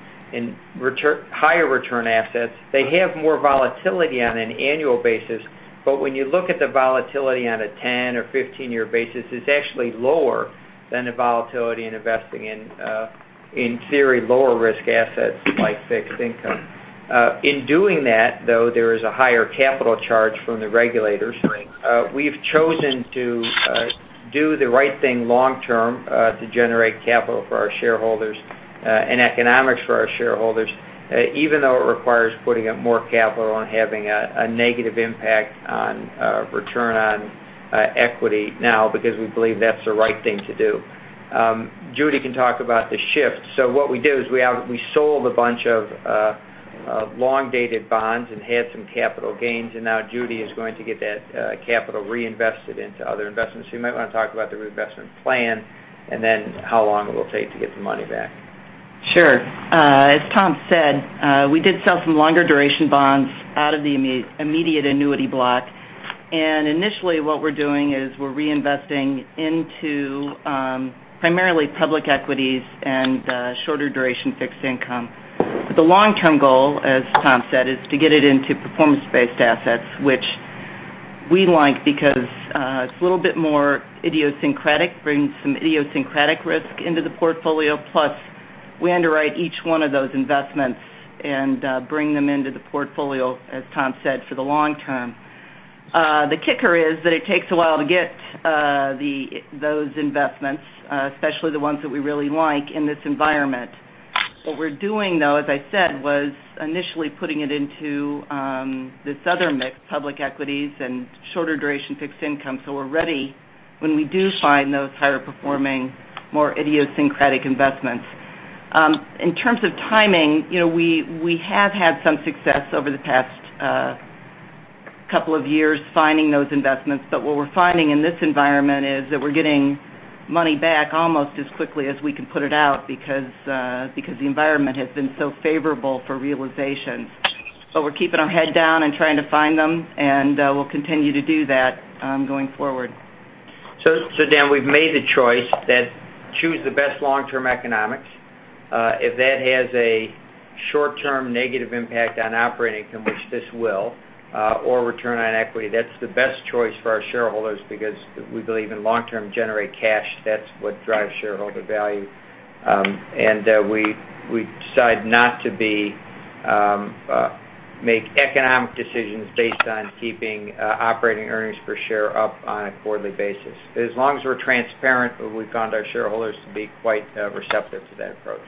higher return assets. They have more volatility on an annual basis. When you look at the volatility on a 10 or 15-year basis, it's actually lower than the volatility in investing in theory, lower risk assets like fixed income. In doing that, though, there is a higher capital charge from the regulators. We've chosen to do the right thing long term to generate capital for our shareholders and economics for our shareholders, even though it requires putting up more capital and having a negative impact on return on equity now because we believe that's the right thing to do. Judy can talk about the shift. What we do is we sold a bunch of long-dated bonds and had some capital gains, and now Judy is going to get that capital reinvested into other investments. You might want to talk about the reinvestment plan and then how long it will take to get the money back.
Sure. As Tom said, we did sell some longer duration bonds out of the immediate annuity block. Initially, what we're doing is we're reinvesting into primarily public equities and shorter duration fixed income. The long-term goal, as Tom said, is to get it into performance-based assets, which we like because it's a little bit more idiosyncratic, brings some idiosyncratic risk into the portfolio. Plus, we underwrite each one of those investments and bring them into the portfolio, as Tom said, for the long term. The kicker is that it takes a while to get those investments, especially the ones that we really like in this environment. What we're doing, though, as I said, was initially putting it into this other mix, public equities and shorter duration fixed income. We're ready when we do find those higher performing, more idiosyncratic investments. In terms of timing, we have had some success over the past couple of years finding those investments. What we're finding in this environment is that we're getting money back almost as quickly as we can put it out because the environment has been so favorable for realization. We're keeping our head down and trying to find them, and we'll continue to do that going forward.
Dan, we've made a choice that choose the best long-term economics. If that has a short-term negative impact on operating income, which this will, or return on equity, that's the best choice for our shareholders because we believe in long term generate cash. That's what drives shareholder value. We decide not to make economic decisions based on keeping operating earnings per share up on a quarterly basis. As long as we're transparent, we found our shareholders to be quite receptive to that approach.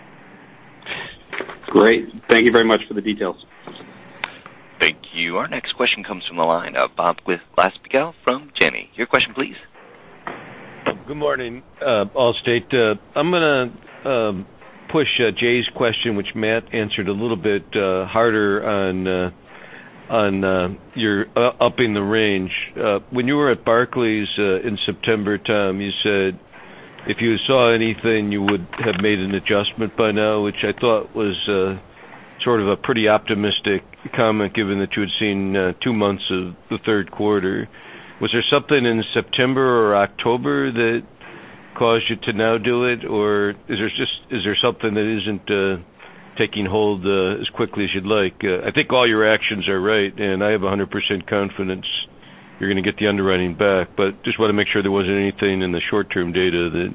Great. Thank you very much for the details.
Thank you. Our next question comes from the line of Bob Glasspiegel from Janney. Your question, please.
Good morning, Allstate. I'm going to push Jay's question, which Matt answered a little bit harder on your upping the range. When you were at Barclays in September, Tom, you said if you saw anything, you would have made an adjustment by now, which I thought was sort of a pretty optimistic comment, given that you had seen two months of the third quarter. Was there something in September or October that caused you to now do it? Or is there something that isn't taking hold as quickly as you'd like? I think all your actions are right, and I have 100% confidence you're going to get the underwriting back. Just want to make sure there wasn't anything in the short-term data that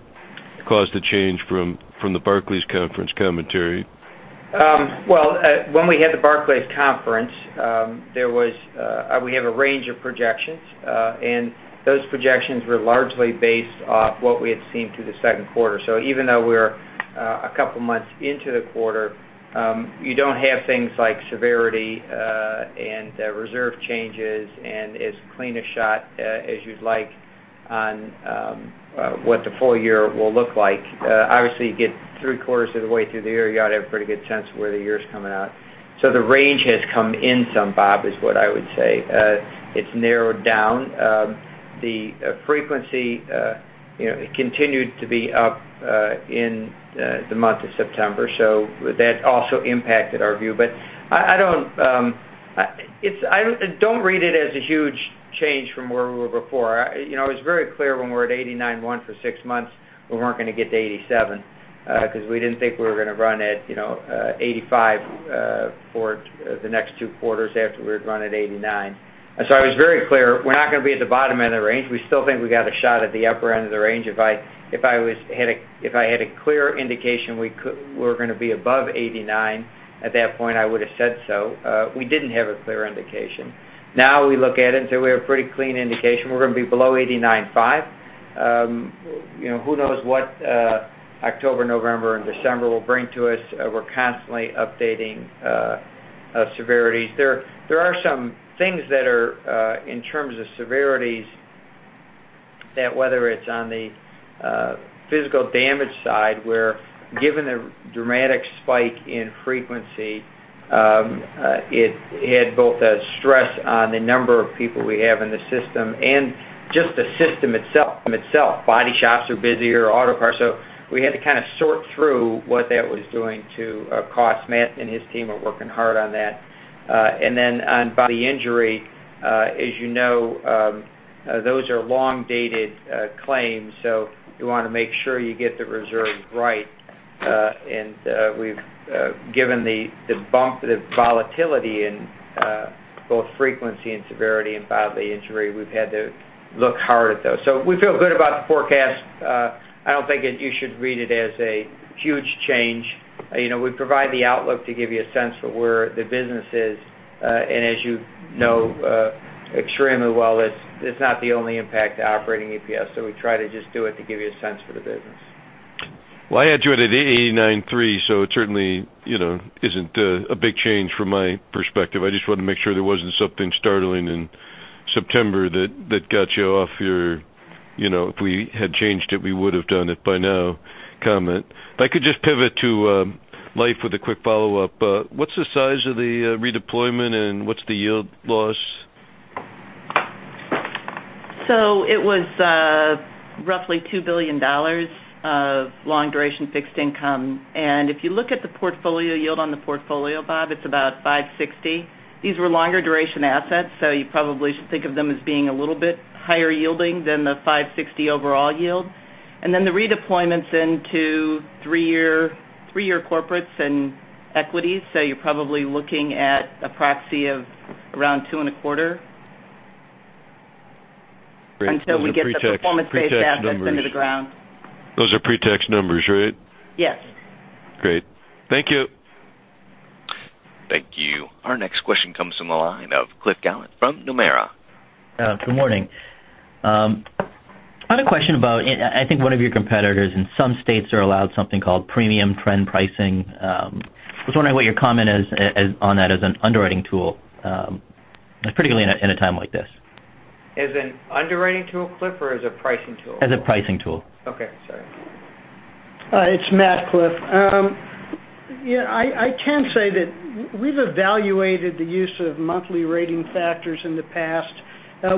caused a change from the Barclays conference commentary.
When we had the Barclays conference, we have a range of projections, and those projections were largely based off what we had seen through the second quarter. Even though we're a couple of months into the quarter, you don't have things like severity and reserve changes and as clean a shot as you'd like on what the full year will look like. Obviously, you get three quarters of the way through the year, you ought to have a pretty good sense of where the year is coming out. The range has come in some, Bob, is what I would say. It's narrowed down. The frequency continued to be up in the month of September. That also impacted our view. I don't read it as a huge change from where we were before. It was very clear when we were at 89.1 for six months, we weren't going to get to 87 because we didn't think we were going to run at 85 for the next two quarters after we had run at 89. I was very clear, we're not going to be at the bottom end of the range. We still think we got a shot at the upper end of the range. If I had a clear indication we were going to be above 89 at that point, I would have said so. We didn't have a clear indication. Now we look at it and say we have a pretty clean indication we're going to be below 89.5 Who knows what October, November, and December will bring to us. We're constantly updating severities. There are some things that are, in terms of severities, that whether it's on the physical damage side, where given the dramatic spike in frequency, it had both a stress on the number of people we have in the system and just the system itself. Body shops are busier, auto parts. We had to kind of sort through what that was doing to cost. Matt and his team are working hard on that. On Bodily Injury, as you know, those are long-dated claims, so you want to make sure you get the reserves right. Given the bump, the volatility in both frequency and severity in Bodily Injury, we've had to look hard at those. We feel good about the forecast. I don't think that you should read it as a huge change. We provide the outlook to give you a sense for where the business is. As you know extremely well, it's not the only impact to operating EPS. We try to just do it to give you a sense for the business.
Well, I had you at 893, it certainly isn't a big change from my perspective. I just wanted to make sure there wasn't something startling in September that got you off your, "If we had changed it, we would've done it by now" comment. If I could just pivot to life with a quick follow-up. What's the size of the redeployment, and what's the yield loss?
It was roughly $2 billion of long duration fixed income. If you look at the portfolio yield on the portfolio, Bob, it's about 560. These were longer duration assets, you probably should think of them as being a little bit higher yielding than the 560 overall yield. The redeployments into three-year corporates and equities. You're probably looking at a proxy of around two and a quarter until we get the performance-based assets into the ground.
Those are pre-tax numbers, right?
Yes.
Great. Thank you.
Thank you. Our next question comes from the line of Cliff Gallant from Nomura.
Good morning. I had a question about, I think one of your competitors in some states are allowed something called premium trend pricing. I was wondering what your comment is on that as an underwriting tool, particularly in a time like this.
As an underwriting tool, Cliff, or as a pricing tool?
As a pricing tool.
Okay. Sorry.
It's Matt, Cliff. I can say that we've evaluated the use of monthly rating factors in the past.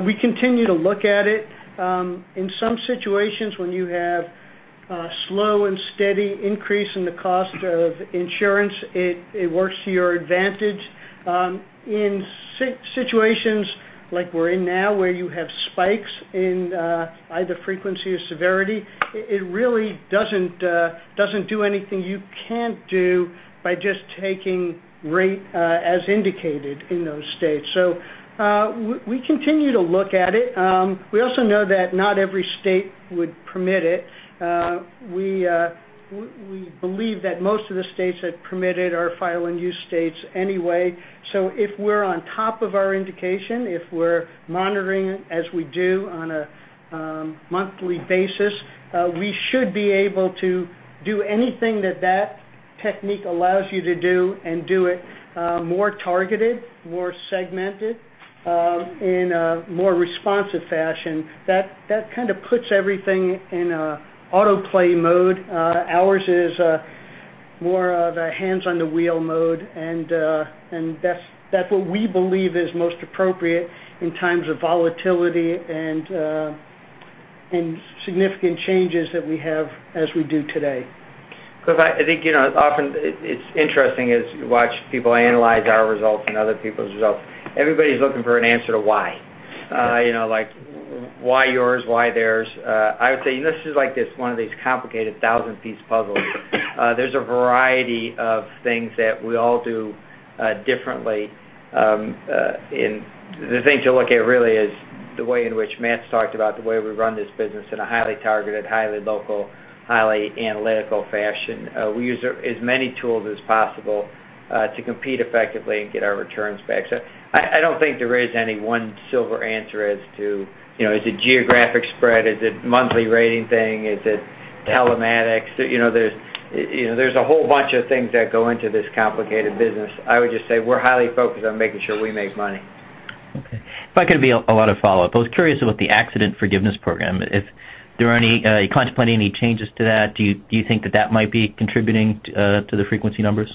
We continue to look at it. In some situations, when you have a slow and steady increase in the cost of insurance, it works to your advantage. In situations like we're in now, where you have spikes in either frequency or severity, it really doesn't do anything you can't do by just taking rate as indicated in those states. We continue to look at it. We also know that not every state would permit it. We believe that most of the states that permit it are file and use states anyway. If we're on top of our indication, if we're monitoring it as we do on a monthly basis, we should be able to do anything that technique allows you to do and do it more targeted, more segmented, in a more responsive fashion. That kind of puts everything in auto-play mode. Ours is more of a hands-on-the-wheel mode, and that's what we believe is most appropriate in times of volatility and significant changes that we have as we do today.
Cliff, I think, often it's interesting as you watch people analyze our results and other people's results. Everybody's looking for an answer to why.
Yeah.
Like, why yours? Why theirs? I would say this is like one of these complicated thousand-piece puzzles. There's a variety of things that we all do differently, and the thing to look at really is the way in which Matt's talked about the way we run this business in a highly targeted, highly local, highly analytical fashion. We use as many tools as possible to compete effectively and get our returns back. I don't think there is any one silver answer as to, is it geographic spread? Is it monthly rating thing? Is it telematics? There's a whole bunch of things that go into this complicated business. I would just say we're highly focused on making sure we make money.
Okay. If I could be a lot of follow-up, I was curious about the Accident Forgiveness program. Are you contemplating any changes to that? Do you think that that might be contributing to the frequency numbers?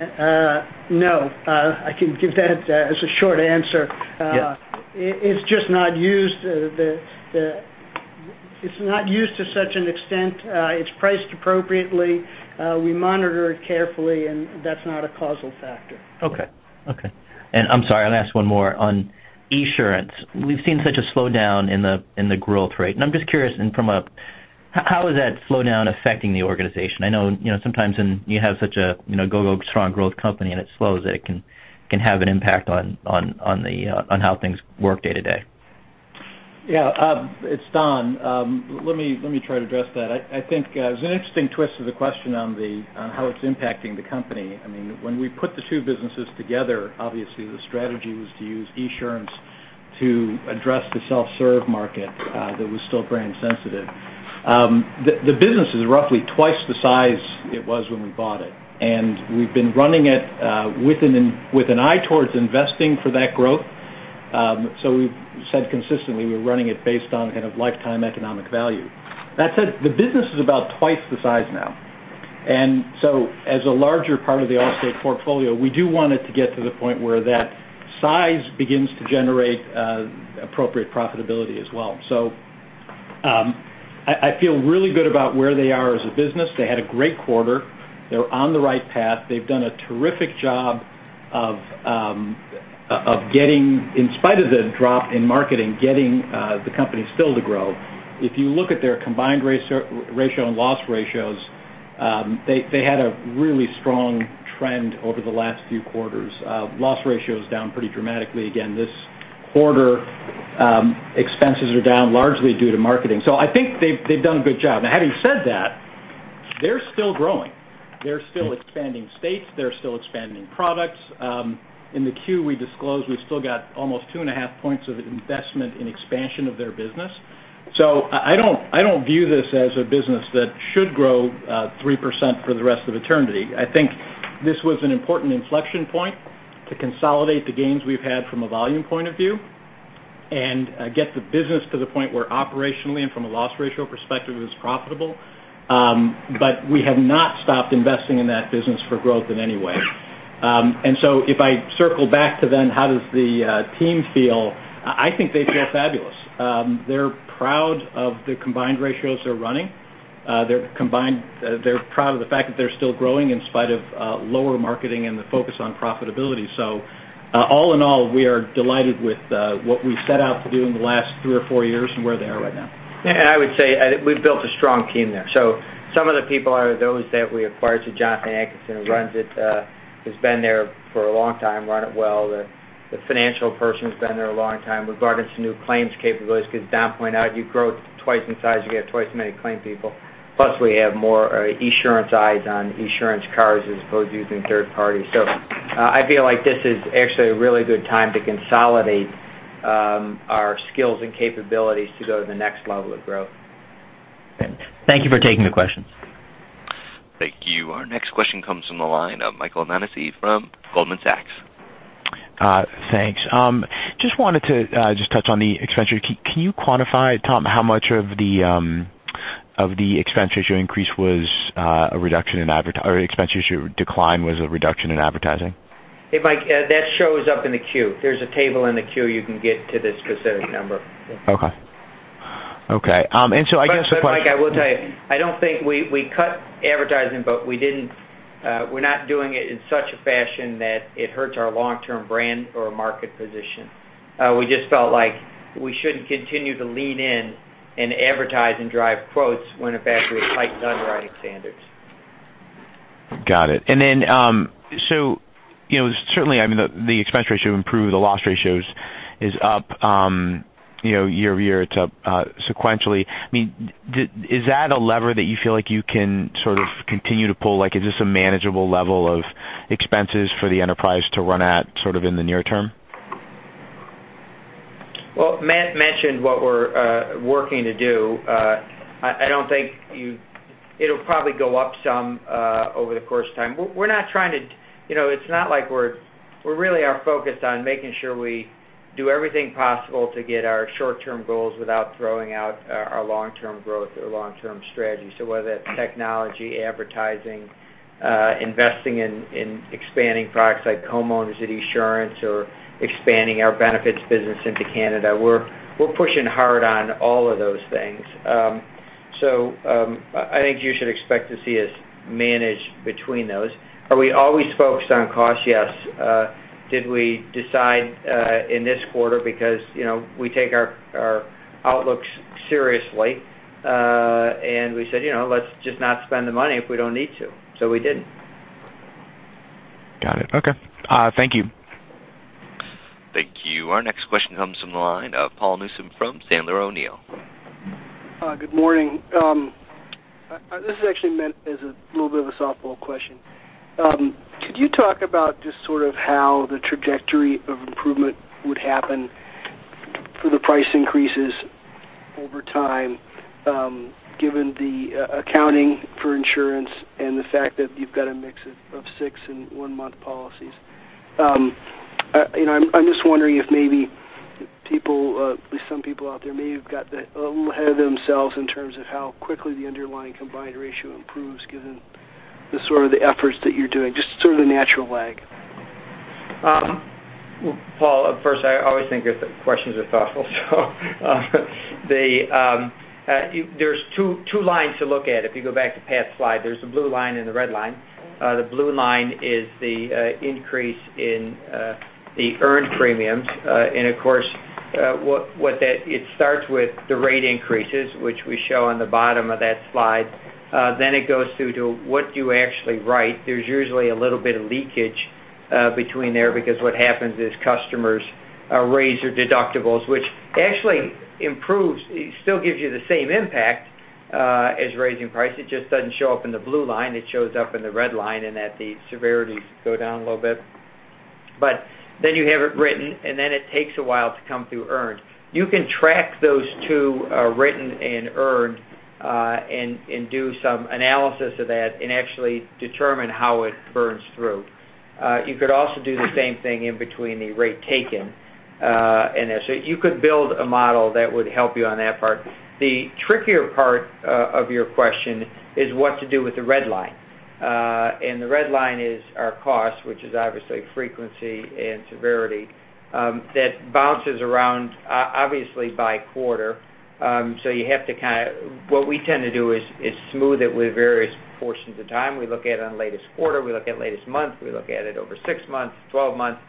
No. I can give that as a short answer.
Yes.
It's just not used to such an extent. It's priced appropriately. We monitor it carefully. That's not a causal factor.
Okay. I'm sorry, I'll ask one more on Esurance. We've seen such a slowdown in the growth rate, and I'm just curious from a how is that slowdown affecting the organization? I know sometimes when you have such a go strong growth company and it slows, it can have an impact on how things work day to day.
Yeah. It's Don. Let me try to address that. I think it was an interesting twist to the question on how it's impacting the company. When we put the two businesses together, obviously the strategy was to use Esurance to address the self-serve market that was still brand sensitive. The business is roughly twice the size it was when we bought it, and we've been running it with an eye towards investing for that growth. We've said consistently, we're running it based on kind of lifetime economic value. That said, the business is about twice the size now. As a larger part of the Allstate portfolio, we do want it to get to the point where that size begins to generate appropriate profitability as well. I feel really good about where they are as a business. They had a great quarter. They're on the right path. They've done a terrific job of getting, in spite of the drop in marketing, getting the company still to grow. If you look at their combined ratio and loss ratios, they had a really strong trend over the last few quarters. Loss ratio is down pretty dramatically again this quarter. Expenses are down largely due to marketing. I think they've done a good job. Now, having said that, they're still growing. They're still expanding states. They're still expanding products. In the 10-Q, we disclosed we've still got almost 2.5 points of investment in expansion of their business. I don't view this as a business that should grow 3% for the rest of eternity. I think this was an important inflection point to consolidate the gains we've had from a volume point of view and get the business to the point where operationally and from a loss ratio perspective, it was profitable. We have not stopped investing in that business for growth in any way. If I circle back to then, how does the team feel? I think they feel fabulous. They're proud of the combined ratios they're running. They're proud of the fact that they're still growing in spite of lower marketing and the focus on profitability. All in all, we are delighted with what we've set out to do in the last 3 or 4 years and where they are right now.
I would say we've built a strong team there. Some of the people are those that we acquired, Jonathan Atkinson runs it, who's been there for a long time, run it well. The financial person's been there a long time. We brought in some new claims capabilities because Don pointed out, you grow 2 times in size, you get 2 times as many claim people. Plus, we have more Esurance eyes on Esurance cars as opposed to using third-party. I feel like this is actually a really good time to consolidate our skills and capabilities to go to the next level of growth.
Okay.
Thank you for taking the questions.
Thank you. Our next question comes from the line of Michael Nannizzi from Goldman Sachs.
Thanks. Just wanted to touch on the expense ratio. Can you quantify, Tom, how much of the expense ratio decline was a reduction in advertising?
Mike, that shows up in the Q. There's a table in the Q you can get to the specific number.
Okay.
Mike, I will tell you, I don't think we cut advertising, but we're not doing it in such a fashion that it hurts our long-term brand or market position. We just felt like we shouldn't continue to lean in and advertise and drive quotes when in fact we have tightened underwriting standards.
Got it. Certainly, I mean, the expense ratio improved, the loss ratios is up year-over-year, it's up sequentially. I mean, is that a lever that you feel like you can sort of continue to pull? Is this a manageable level of expenses for the enterprise to run at sort of in the near term?
Well, Matt mentioned what we're working to do. I don't think it'll probably go up some over the course of time. We're really are focused on making sure we do everything possible to get our short-term goals without throwing out our long-term growth or long-term strategy. Whether that's technology, advertising, investing in expanding products like homeowners and Esurance or expanding our benefits business into Canada, we're pushing hard on all of those things. I think you should expect to see us manage between those. Are we always focused on cost? Yes. Did we decide in this quarter because we take our outlooks seriously, and we said, "Let's just not spend the money if we don't need to." We didn't.
Got it. Okay. Thank you.
Thank you. Our next question comes from the line of Paul Newsome from Sandler O'Neill.
Good morning. This is actually meant as a little bit of a softball question. Could you talk about just sort of how the trajectory of improvement would happen for the price increases over time, given the accounting for insurance and the fact that you've got a mix of six and one-month policies? I'm just wondering if maybe some people out there may have got a little ahead of themselves in terms of how quickly the underlying combined ratio improves given the sort of the efforts that you're doing, just sort of the natural lag.
Paul, first, I always think that the questions are thoughtful. There's two lines to look at. If you go back to Pat's slide, there's the blue line and the red line. The blue line is the increase in the earned premiums. Of course, it starts with the rate increases, which we show on the bottom of that slide. Then it goes through to what you actually write. There's usually a little bit of leakage between there because what happens is customers raise their deductibles, which actually improves. It still gives you the same impact as raising price, it just doesn't show up in the blue line, it shows up in the red line, and that the severities go down a little bit. You have it written, and then it takes a while to come through earned. You can track those two, written and earned, and do some analysis of that and actually determine how it burns through. You could also do the same thing in between the rate taken. You could build a model that would help you on that part. The trickier part of your question is what to do with the red line. The red line is our cost, which is obviously frequency and severity, that bounces around, obviously, by quarter. What we tend to do is smooth it with various portions of time. We look at on latest quarter, we look at latest month, we look at it over six months, 12 months.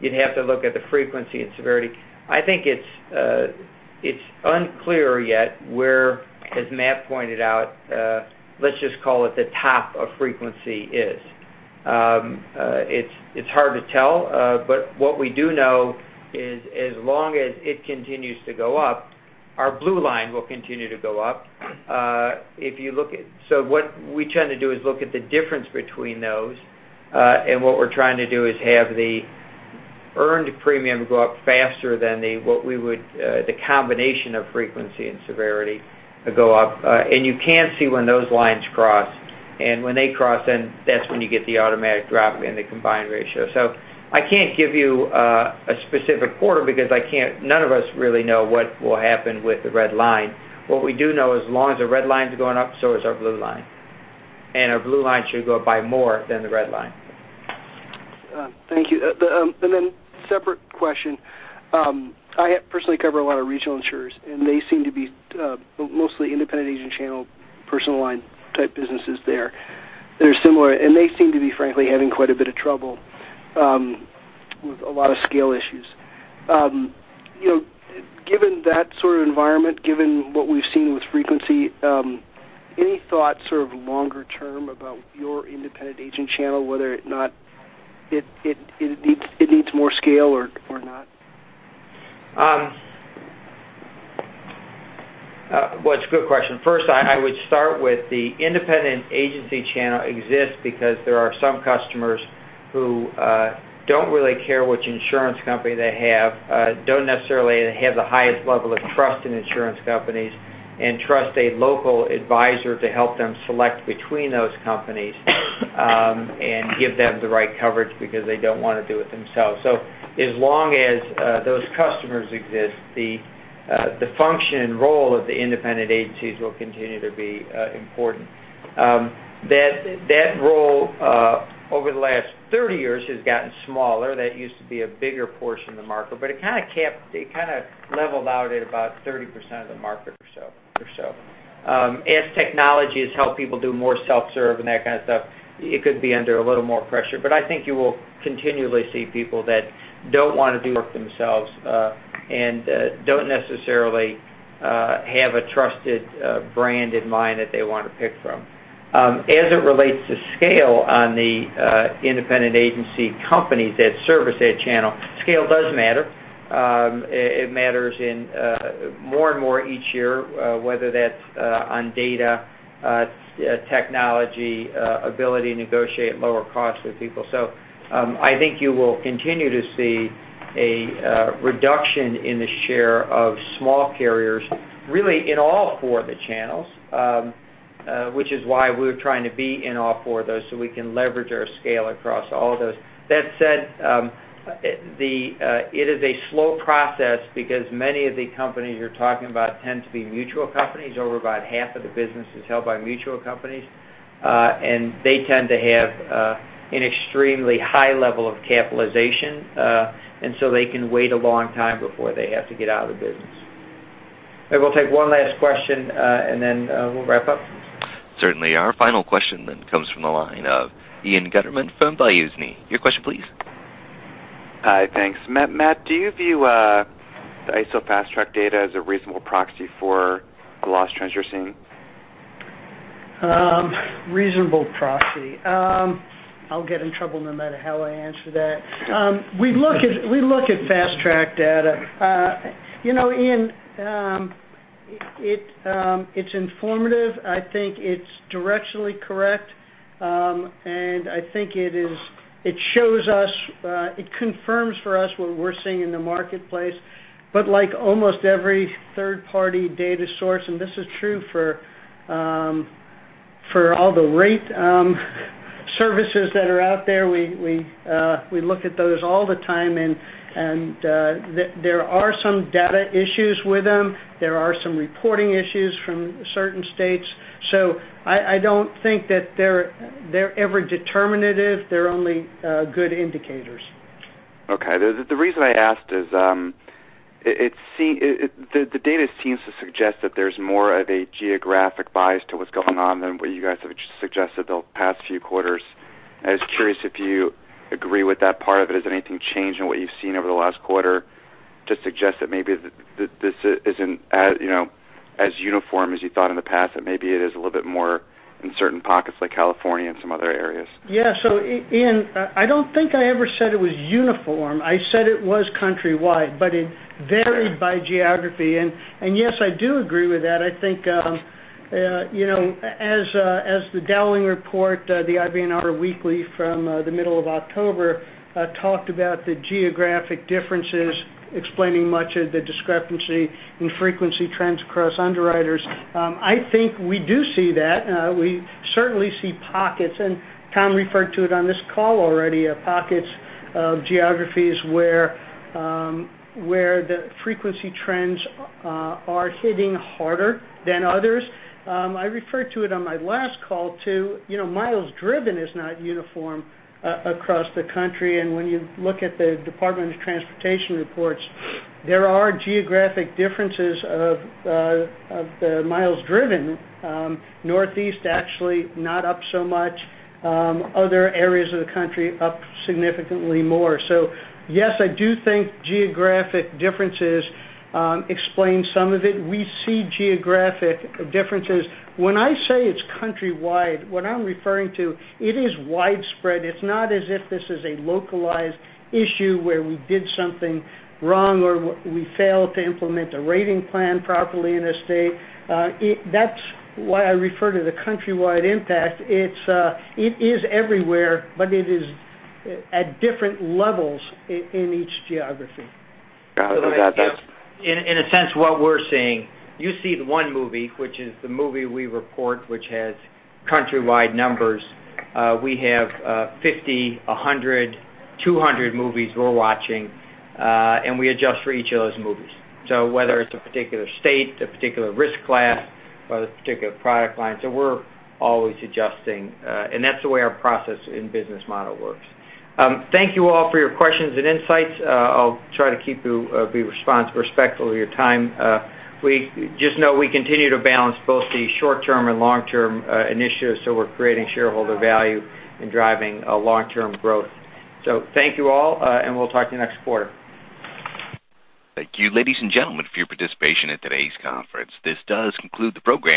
You'd have to look at the frequency and severity. I think it's unclear yet where, as Matt pointed out, let's just call it the top of frequency is. It's hard to tell. What we do know is as long as it continues to go up, our blue line will continue to go up. What we tend to do is look at the difference between those, and what we're trying to do is have the earned premium go up faster than the combination of frequency and severity go up. You can see when those lines cross. When they cross, then that's when you get the automatic drop in the combined ratio. I can't give you a specific quarter because none of us really know what will happen with the red line. What we do know, as long as the red line's going up, so is our blue line. And our blue line should go up by more than the red line.
Thank you. Separate question. I personally cover a lot of regional insurers, and they seem to be mostly independent agent channel personal line type businesses there that are similar. They seem to be, frankly, having quite a bit of trouble with a lot of scale issues. Given that sort of environment, given what we've seen with frequency, any thoughts sort of longer term about your independent agent channel, whether or not it needs more scale or not?
It's a good question. First, I would start with the independent agency channel exists because there are some customers who don't really care which insurance company they have, don't necessarily have the highest level of trust in insurance companies, and trust a local advisor to help them select between those companies and give them the right coverage because they don't want to do it themselves. As long as those customers exist, the function and role of the independent agencies will continue to be important. That role, over the last 30 years, has gotten smaller. That used to be a bigger portion of the market, but it kind of leveled out at about 30% of the market or so. As technology has helped people do more self-serve and that kind of stuff, it could be under a little more pressure, but I think you will continually see people that don't want to do it themselves, and don't necessarily have a trusted brand in mind that they want to pick from. As it relates to scale on the independent agency companies that service that channel, scale does matter. It matters more and more each year, whether that's on data, technology, ability to negotiate lower costs with people. I think you will continue to see a reduction in the share of small carriers, really in all 4 of the channels, which is why we're trying to be in all 4 of those, so we can leverage our scale across all of those. That said, it is a slow process because many of the companies you're talking about tend to be mutual companies. Over about half of the business is held by mutual companies. They tend to have an extremely high level of capitalization, so they can wait a long time before they have to get out of the business. Maybe we'll take one last question, then we'll wrap up.
Certainly. Our final question comes from the line of Ian Gutterman from Balyasny. Your question, please.
Hi. Thanks. Matt, do you view the ISO Fast Track data as a reasonable proxy for a loss transition?
Reasonable proxy. I'll get in trouble no matter how I answer that. We look at Fast Track data. Ian, it's informative, I think it's directionally correct, I think it confirms for us what we're seeing in the marketplace. Like almost every third-party data source, this is true for all the rate services that are out there, we look at those all the time, there are some data issues with them. There are some reporting issues from certain states. I don't think that they're ever determinative. They're only good indicators.
The reason I asked is the data seems to suggest that there's more of a geographic bias to what's going on than what you guys have suggested the past few quarters. I was curious if you agree with that part of it. Has anything changed in what you've seen over the last quarter to suggest that maybe this isn't as uniform as you thought in the past, that maybe it is a little bit more in certain pockets like California and some other areas?
Yeah. Ian, I don't think I ever said it was uniform. I said it was countrywide, but it varied by geography. Yes, I do agree with that. I think as the Dowling Report, the IBNR Weekly from the middle of October talked about the geographic differences explaining much of the discrepancy in frequency trends across underwriters. I think we do see that. We certainly see pockets, and Tom referred to it on this call already, pockets of geographies where the frequency trends are hitting harder than others. I referred to it on my last call, too. Miles driven is not uniform across the country, and when you look at the Department of Transportation reports, there are geographic differences of the miles driven. Northeast actually not up so much. Other areas of the country up significantly more. Yes, I do think geographic differences explain some of it. We see geographic differences. When I say it's countrywide, what I'm referring to, it is widespread. It's not as if this is a localized issue where we did something wrong or we failed to implement a rating plan properly in a state. That's why I refer to the countrywide impact. It is everywhere, but it is at different levels in each geography.
Got that.
In a sense, what we're seeing, you see the one movie, which is the movie we report, which has countrywide numbers. We have 50, 100, 200 movies we're watching, and we adjust for each of those movies. Whether it's a particular state, a particular risk class, or a particular product line. We're always adjusting, and that's the way our process and business model works. Thank you all for your questions and insights. I'll try to keep the response respectful of your time. Just know we continue to balance both the short-term and long-term initiatives, so we're creating shareholder value and driving long-term growth. Thank you all, and we'll talk to you next quarter.
Thank you, ladies and gentlemen, for your participation in today's conference. This does conclude the program.